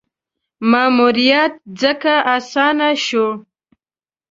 ماموریت ځکه اسانه شو.